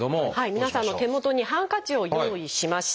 皆さんの手元にハンカチを用意しました。